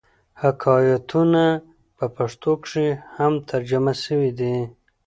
حکایتونه په پښتو کښي هم ترجمه سوي دي.